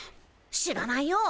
知らないよ。